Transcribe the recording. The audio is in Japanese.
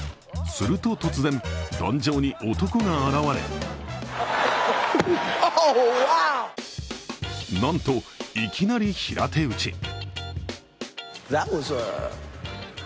すると突然、壇上に男が現れなんと、いきなり平手打ち。